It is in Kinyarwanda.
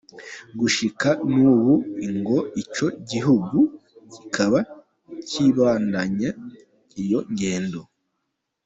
Gushika n'ubu ngo ico gihugu kikaba kibandanya iyo ngendo.